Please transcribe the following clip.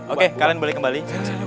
oke kalian boleh kembali